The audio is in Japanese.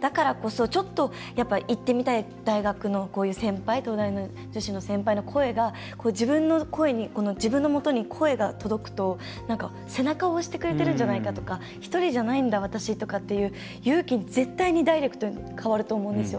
だからこそ、ちょっと行ってみたい大学のこういう先輩東大の女子の先輩の声が自分の声に自分のもとに声が届くと、背中を押してくれてるんじゃないかとか１人じゃないんだ私とかっていう勇気に絶対にダイレクトに変わると思うんですよ。